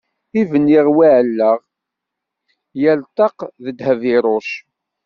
I bniɣ wi ɛellaɣ, yal ṭṭaq s dheb iruc.